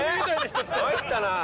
参ったなあ